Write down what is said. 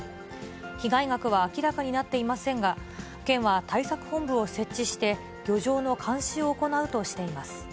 被害額は明らかになっていませんが、県は対策本部を設置して、漁場の監視を行うとしています。